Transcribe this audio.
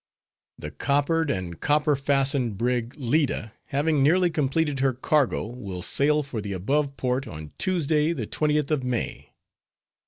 _The coppered and copper fastened brig Leda, having nearly completed her cargo, will sail for the above port on Tuesday the twentieth of May.